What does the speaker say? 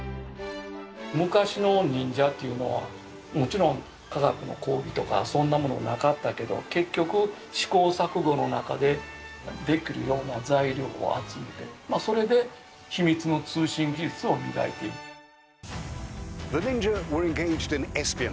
昔の忍者っていうのはもちろん科学の講義とかそんなものなかったけど結局試行錯誤の中でできるような材料を集めてまあそれで秘密の通信技術を磨いていた。